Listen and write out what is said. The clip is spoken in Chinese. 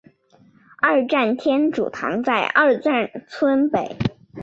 二站天主堂在二站村北。